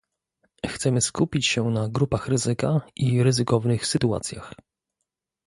Chcemy skupić się na grupach ryzyka i ryzykownych sytuacjach